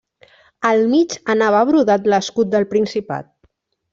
Al mig anava brodat l'escut del principat.